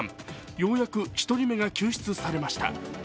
ようやく１人目が救出されました。